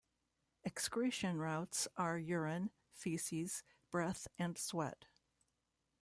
Excretion routes are urine, feces, breath, and sweat.